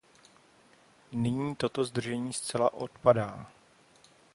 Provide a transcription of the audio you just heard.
Nyní toto zdržení zcela odpadá.